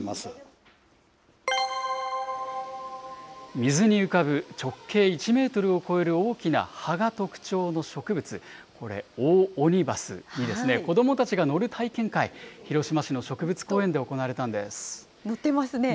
水に浮かぶ直径１メートルを超える大きな葉が特徴の植物、これ、オオオニバスにですね、子どもたちが乗る体験会、広島市の植乗ってますね。